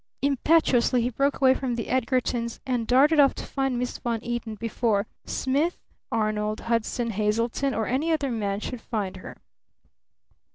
Impetuously he broke away from the Edgartons and darted off to find Miss Von Eaton before "Smith Arnold Hudson Hazeltine" or any other man should find her!